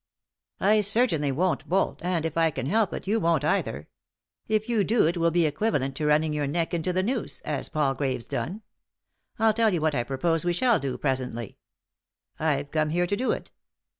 " I certainly won't bolt, and, if I can help it, yon won't either. If you do it will be equivalent to running your neck into the noose, as Palgrave's done. I'll tell you what I propose we shall do presently. I've come here to do it.